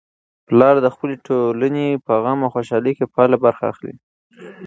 پلار د خپلې ټولنې په غم او خوشالۍ کي فعاله برخه اخلي.